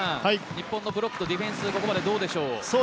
日本のブロックとディフェンスどうでしょうか？